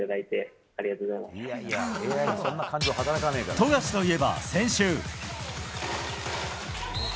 富樫といえば先週。